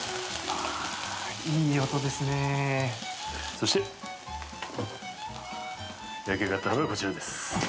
そして焼き上がったのがこちらです。